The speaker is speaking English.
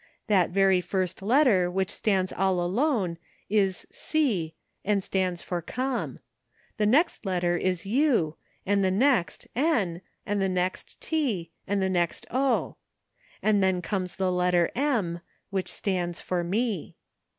That very first letter which stands all alone is c, and it stands for ' come.' The next letter is w, and the next n, and the next ^, and the next ; then comes the letter m, which stands for ' me.'